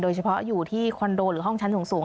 เฉพาะอยู่ที่คอนโดหรือห้องชั้นสูง